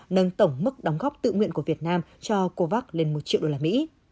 nâng tổng mức đóng góp tự nguyện của việt nam cho covax lên một triệu usd